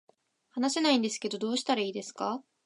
話せないんですけどどうしたらいいですか